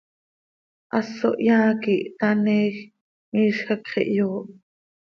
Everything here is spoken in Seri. Haso hyaa quih htaneeej, miizj hacx ihyooh.